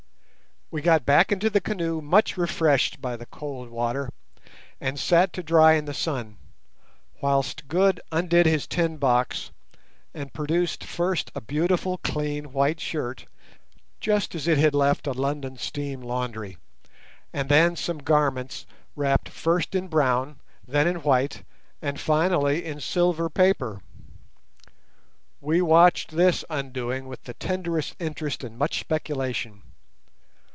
We got back into the canoe much refreshed by the cold water, and sat to dry in the sun, whilst Good undid his tin box, and produced first a beautiful clean white shirt, just as it had left a London steam laundry, and then some garments wrapped first in brown, then in white, and finally in silver paper. We watched this undoing with the tenderest interest and much speculation.